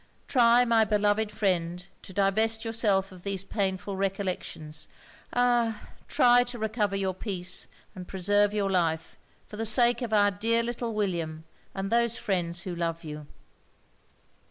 Try, my beloved friend, to divest yourself of these painful recollections ah! try to recover your peace, and preserve your life, for the sake of our dear little William and those friends who love you.'